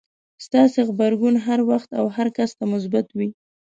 ستاسې غبرګون هر حالت او هر کس ته مثبت وي.